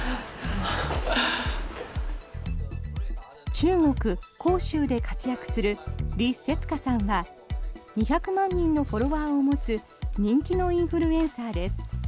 中国・杭州で活躍するリ・セツカさんは２００万人のフォロワーを持つ人気のインフルエンサーです。